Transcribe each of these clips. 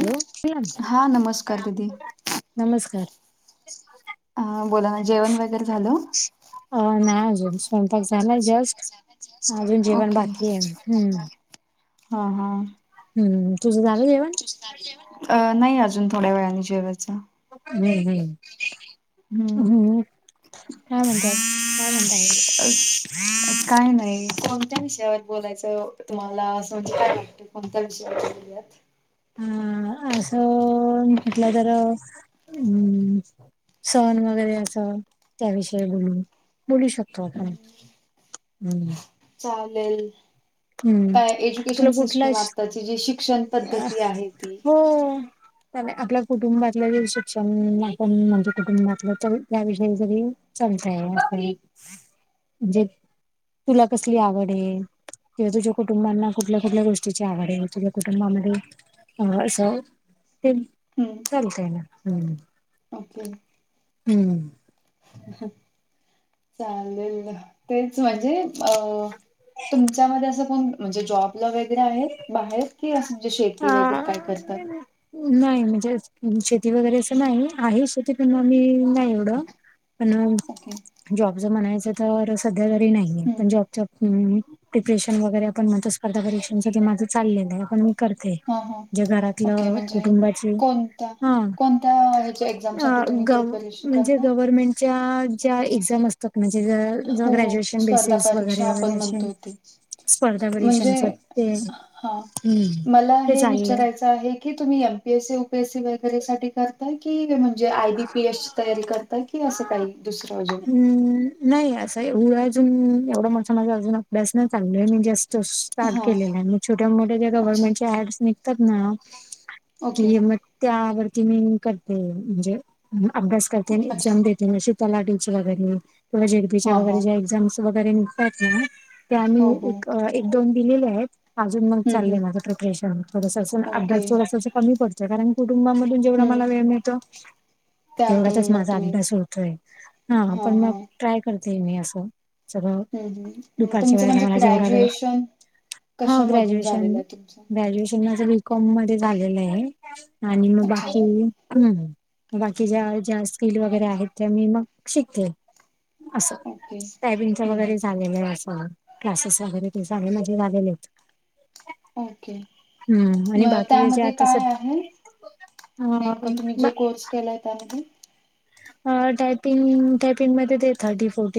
Hello! हा नमस्कार दिदी नमस्कार! हा बोलाना जेवण वगैरे झालं? अ नाही अजूस. स्वयंपाक झाला जस्ट अजून जेवण ओके बाकी आहे. हम्म! हा हा! हम्म! तुझं जावे जेवण? अ नाही अजून थोड्या वेळाने जेवायच. हम्म हम् हम्म काय म्हणतात. अ काय नाही. कोणत्या विषयावर बोलायचं तुम्हाला समज काय वाटत कोणत्या विषयावर बोल. अ असं म्हटलं तर हम्. सण वगैरे असं त्याविषयी बोलून बोलू शकतो आपण. हम्म! चालेल. हम्म काय तुला एज्युकेशन कुठला सिस्टम आताची जी शिक्षण पद्धती आहे ती. त्या आपल्या कुटुंबातलं जे शिक्षण आपण म्हणजे, कुटुंबातलं त्याविषयी जरी चालतय म्हणजे, तुला कसली आवड आहे. किंवा तुझ्या कुटुंबांना कुठल्या-कुठल्या गोष्टीची आवड आहे, तुझ्या कुटुंबामध्ये असं. हम हम्म तेलते ना हम्म ओके. हम्म हम चालेल तेच म्हणजे, अ तुमच्यामध्ये असं कोण म्हणजे जॉबला वगैरे आहेत. बाहेर की असं म्हणजे, अ शेती वगैरे काय करतात. नाही म्हणजे, शेती वगैरे असं नाही आहे. शेती पना मी नाही एवढं. पण. ओके जॉबच म्हणायचं, तर सध्या तरी नाहीये. हम्म पण जॉबच डिप्रेशन वगैरे, पण स्पर्धा परीक्षांच्या माझं चालले आहे. ते म्हणजे, हां हां जे ओके घरातलं म्हणजे कुटुंबाची कोणत्या हा कोणत्या ह्याच्या अ एक्झामसाठी तुम्ही ग प्रिपरेशन म्हणजे, करता? गव्हर्मेंटच्या ज्या एक्झाम असतात म्हणजे ज तु हो हो ग्रॅज्युएशन स्पर्धा बेसिस परीक्षा वगैरे आपण वगैरे असे म्हणतो ते स्पर्धा म्हणजे परीक्षां करते हम्म ते चाललंय विचाराय आहे. की तुम्ही M P AC, U P S C वैगरे करताय की जे आय बी पी एस ची तयारी करत की असं काही, दुसरं काही अजून हम् नाही असंव. अजून एवढा मोठ माझा, अजून अभ्यास नाही चांगला आहे मी जास्त स्टार्ट हां केलेलं आहे. मग छोट्या मोठ्या त्या अच्छा गव्हर्नमेंटचे ऍड्स निघतात ना ओके की मग त्यावरती मी करते म्हणजे अभ्यास करते, अच्छा एक्झाम देतेशी त्याला झेड पी च्या हां हां वैगरे एक्झाम निघतात हो हो. ना एक दोन दिलेले आहेत, अजून मग हं हं चालय माझ प्रिपरेशन थोडसं असं ओके अभ्यास थोडस कमी पडत. कारण कुटुंबामधून जेवढा हं मला वेळ मिळतो, त्यातून तेवढाचच मग माझा तुम्ही अभ्यास होतोय. ह हां पण मग हां ट्राय करते मी असं. चग हं हं दुपारच्या तुमचं वेळेला म्हणजे मला जेवढा वेळ ग्रॅज्युएशन हा कशामधून ग्रॅज्युएशन झालेलं आहे तुमचं? ग्रॅज्युएशन ग्रॅज्युएशन माझं बी कॉम मध्ये झालेलं आहे, आणि मग अच्छा बाकी हम् बाकी ज्या ज्या स्किल वगैरे आहेत, त्या मी मग शिकते. असं ओके त्याॅबिनच हं वगैरे हं झाले म असं क्लासेस वगैरे ते झाले, म्हजे झालेले होत. ओके हम्म आणि म बाकी जे त्यामध्ये आता काय आहे. सध्या अ नेमका तुम्ही जो बा- कोर्स केलाय त्यामध्ये. टायपिंग टायपिंगमध्ये ते थर्टी फोर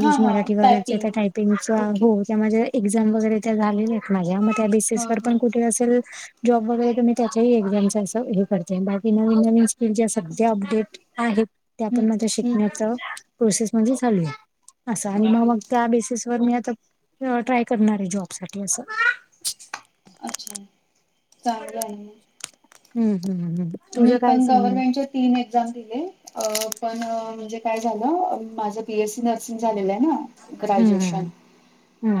हा हा मराठी वगैरेच्या त्या, टायपिंग टायपिंगच ओके हो त्या माझ्या एक्झाम वगैरे त्या झालेल्या आहेत, माझ्या मग त्या हा बेसीस वर हा पण कुठे असेल. जॉब वगैरे तुम्ही त्याच्याही एक्झाम असं, हे करते बाकी नवीन नवीन स्किल ज सध्या अपडेट. आहे त्या हं पण माझ्या हं शिकण्याचा, हं प्रोसेस म्हणजे चालू आहे. असं आणि मग ओके मग त्या बेसिस, वर मी आता ट्राय करणार आहे, जॉब साठी असं अच्छा चांगलं आहे ना हम्म हम्मम् हम्म मी तुझं काय पण हम्म गव्हर्नमेंटच्या तीन एक्झाम दिले, अ पण म्हणजे काय झालं, माझं बी. एस. सी न नर्सिंग झालेलं आहे ना, ग्रॅज्युएशन हम्म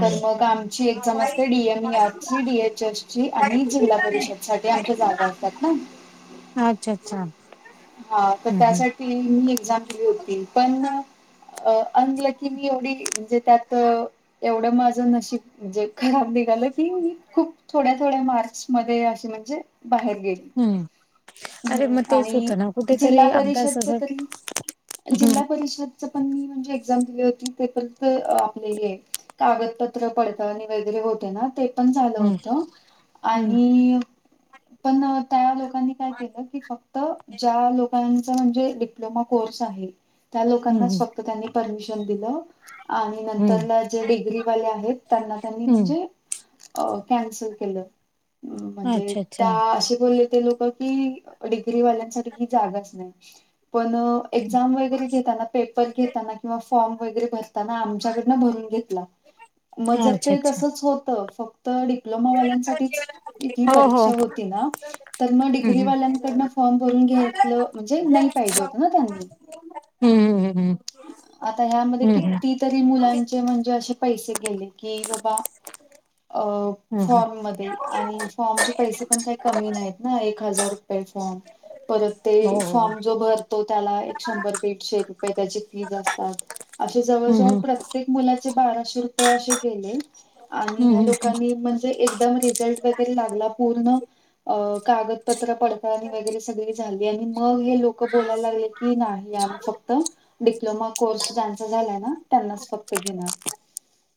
तर मग आमची एक्झाम असते, डी. एम. ई. आर ची डी. एच. एस ची आणि जिल्हा परिषद साठी आमच्या जागा असतात ना. अच्छा अच्छा! हा, तर हम्म हम्म त्यासाठी मी एक्झाम दिली होती, पण अ अनलकी मी एवढी म्हणजे, त्यात तेवढं माझं नशीब म्हणजे, खराब लं की, खूप थोड्या थोड्या मार्च मध्ये, असे म्हणजे बाहेर गेली, हम्म अरे हम्, मग तेच आणि होतं ना जिल्हा कुठेतरी अभ्यास परिषदचे असं तरी, हं, जिल्हा परिषद पण मी म्हणजे, एक्झाम दिली होती, ते पण आपले हे कागदपत्र, पडताळणी वगैरे होते ना ते प झाल हं, होत, हं, आणि पण त्या लोकांनी काय केलं, फक्त ज्या लोकांचा म्हणजे डप्लोमा कोर्स आहे त्या हं, लोकांनाच हं, फक्त त्यांनी परमिशन दिलं. आणि हं, नंतरला जे डिग्रीवाले आहेत, त्यांना त्यांनी हं. म्हणजे अ कॅन्सल केलं, म्हणजे अच्छा, अच्छा. त्या अस बोले ते लोक की, डिग्रीवाल्यांसाठी ही जागच नाही. पण हं. एक्झाम वगैरे घेताना, पेपर घेताना, किंवा फॉर्म वगैरे भर आमच्याकडनं भरून घेतला, मग जर तर अच्छा, ते अच्छा. तसच होत, फक्त तर डिप्लोमावाल्यांसाठीच ही हो, हो. परीक्षा होती ना, तर मग हं, हं. डिग्रीवाल्यांकडन फॉर्म भरून घ्याय म्हणजे, नाही पाहिजे होत ना त्यांनी. हम्म हम् हम्. आता ह्यामध्ये किती तरी मुलांचे म्हणजे, असे पैसे गेले, कि बाबा अ हं, हं. फॉर्म मध्ये, आणि फॉर्मचे पैसे पण काही कमी नाहीत ना, एक हजार रुपये फॉर्म. परत हो, ते हो. फॉर्म जो भरतो, त्याला एक शंभर दीडशे रुपये, त्याची जे असतात, असे जवळ हं, जवळ हं. प्रत्येक मुलाचे बाराशे रुपये असे गेले आणि हं, ह्या हं, लोकांनी एकदम रिझल्ट वगैरे लागला, पूर्ण अ कागदपत्र पडताळणी वगैरे सगळी झाली, आणि मग हे लोक बोलायला लागले की, नाही आमही फक्त डिप्लोमा कोर्स ज्यांचा झालाय ना, त्यांनाच फक्त घेणार.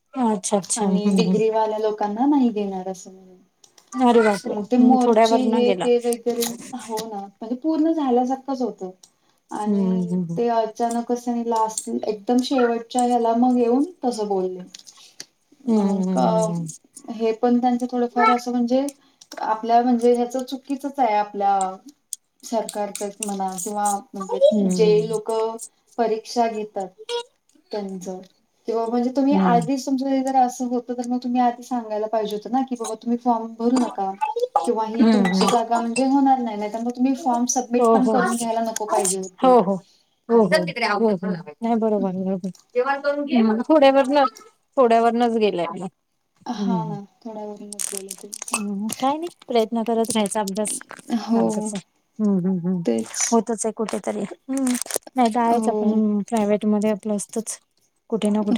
हं. अच्छा, अच्छा. आणि हं, हं. डिग्रीवाल्या लोकांना नाही देणार असं म्हणून अरे बापरे! मग ते हं, मोर्चे थोड्यावरनं हे गेला. ते वगैरे, हो ना. म्हणजे पूर्ण झाल्यासारखंच होतं, हं, आणि हं, हं, हं. ते अचानक लास्ट एकदम शेवटच्या ह्याला मग येऊन तस बोलले. हं, मग हं, हं, हं. हे पण त्यांचं थोडंफार असं म्हणजे आपल्या म्हणजे ह्याच चुकीचच आहे, आपल्या सरकारच. म्हणा किंवा म्हणजे हं, हं. जे लोक परीक्षा घेतात त्यांच, किवा म्हणजे तुम्ही हं, हं. आध ज असं होतं, तर मग तुम्ही आधी सांगयला पाहिजे होतं ना, बाबा तुम्ही फॉर्म भरू नका. किंवा हं, तुमची हं. जागा म्हणजे होणार नाही, नाहीतर म तुम्ही फॉर्म मिट हो, पण करून हो. घ्यायला नको पाहिजे हो होते. हो नाही बरोबर बरोबर तेवाच करून घे पुढवर थोड्यावरनंच गेले म हा हम्म ना थोड्या वरून नसलेलं ते हम् काय नाही प्रयत्न करत रायचा अभ्यास चालतच हो.. आहे. हम्म हम्म हम्म तेच होतच आए कुठेतरी हम्म नाई तर आहेयच हो पण प्रायव्हेट मधे आपलं असतंच.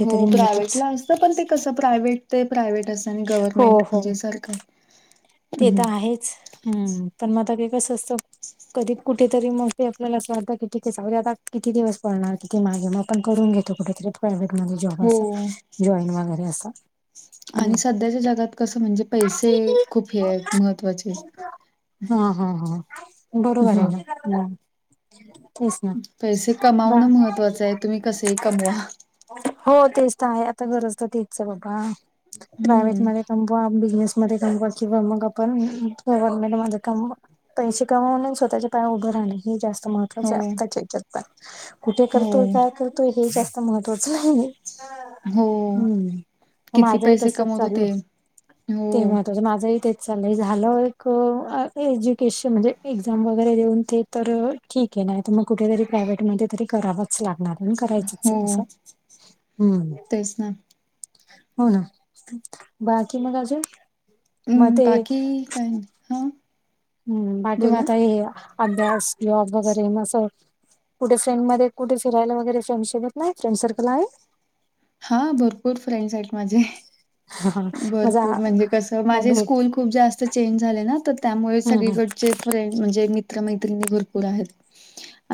हो प्रायव्हेटला असतं पण ते कसं प्रायव्हेट ते प्रायव्हेट असतं आणि हो गव्हर्मेंट हो. म्हणजे सरकार ते हम्म त आहेच. हम्म पण म आता ते कस असत. कधी कुठेतरी म ते आपल्याला अस वाटतं होत की ठीके जाऊदे. आता किती दिवस पळणार. की माझे मग आपण करून घेतो कुठेतरी प्रायव्हेट मध्ये जॉब हो अस जॉईन वगैरे असं. आणि हम्म सध्याच्या जगात कसं म्हणजे पैसे खूप हे आहेत महत्त्वाचे. हा हा हा. बरोबर हम्म ए ना. तेच ना पैसे बा कमावणं महत्त्वाचं ए. तुम्ही कसेही कमवा. हो तेच त आहे आता गरज तर तीच ए बाबा. प्रायव्हेट हम्म. मध्ये कमवा. बिझनेसमध्ये कमवा. किंवा मग आपण म्ह माझं कामवा पैशे कमावनं अन् स्वतःच्या पायावर उभं राहणे हे जास्त महत् त्त्वाच हो, आताच्या जगात कुठे हो, करतोय? काय करतोय? हे जास्त महत्त्वाचं नाहीये. हो. हं म किती माझंही पैसे तसंच कमवतो चालल. ते. हो, ते महत्वाच माझ ही तेच चाललंय. झालं एक एज्युकेशन म्हणजे एक्झाम वगैरे देऊन ते तर ठीक ये नाही तर मग कुठेतरी प्रायव्हेट मध्ये तरी करावंच लागणार. पण करायचच हो. असं. हम्म तेच ना. हो ना. बाकी मग अजून? मग हम्म ते बाकी काय नाही, हं? हम्म बाकी मग आता हे अभ्यास जॉब वगैरे मग अस कुठे फ्रेंड मध्ये कुठे फिरायला वगैरे फ्रेंडसोबत नाही? फ्रेंड सर्कल आहे? हां. भरपूर फ्रेंड्स आहेत माझे. माझा भरपूर म्हणजे कसं मग माझी भेट स्कूल खूप जास्त चेंज झाले ना तर, त्यामुळे हम्म हम्म सगळीकडचे फ्रेंड म्हणजे मित्रमैत्रिणी भरपूर आहेत.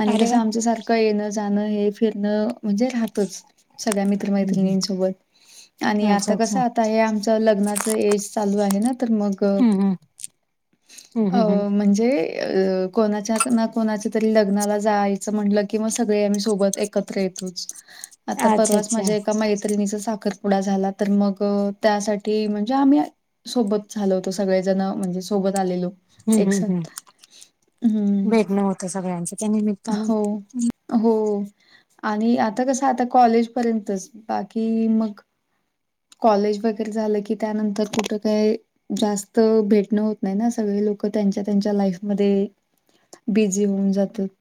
आणि अरे वा कसं आमचं सारखं येणं जाणं हे फिरणं म्हणजे राहतच सगळ्या मित मित्र - हम्म मैत्रिणीनं सोबत. आणि हम्म आता अच्छा अच्छा कसं आता हे आमचं लग्नाचं एज चालू आहे ना तर मग [unintelligible] हम्म हम्म हम्म अं म्हणजे अ कोणाच्या ना कोणाच्या तरी लग्नाला जायचं म्हटलं कि मग सगळे आम्ही सोबत एक एकत्र येतोच. आता अच्छा परवाच अच्छा माझ्या एका मैत्रिणीचा साखरपुडा झाला, तर मग त्यासाठी म्हणजे आम्ही सोबत झाल होतं सगळेजण म्हणजे सोबत आलेलो. हम्म हम्म हम्म एकसाथ हं भेटणं होतं सगळ्यांचं त्या निमित्तानं हो. हो आणि आता कस आता कॉलेज पर्यंतच बाकी मग कॉलेज वगैरे झालं की, त्यानंतर कुठं काय? जास्त भेटणं होत नाही ना सगळे लोकं त्यांच्या त्यांच्या लाईफमध्ये बिझी होऊन जातात.